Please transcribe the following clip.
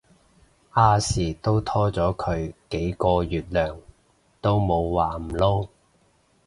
亞視都拖咗佢幾個月糧都冇話唔撈